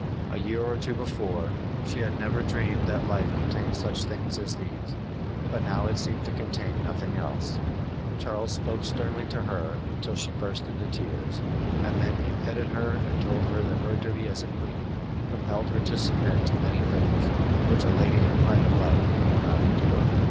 A year or two before, she had never dreamed that life contained such things as these; but now it seemed to contain nothing else. Charles spoke sternly to her until she burst into tears, and then he petted her and told her that her duty as a queen compelled her to submit to many things which a lady in private life need not endure.